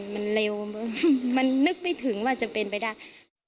มันเร็วมันนึกไม่ถึงว่าจะเป็นไปได้